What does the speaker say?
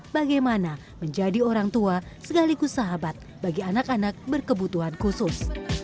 bagaimana menjadi orang tua sekaligus sahabat bagi anak anak berkebutuhan khusus